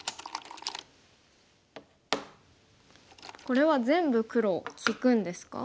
これは全部黒利くんですか？